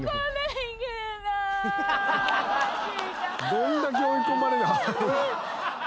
どんだけ追い込まれ。